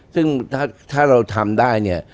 ซึ่งถ้าเราทำได้เนี่ย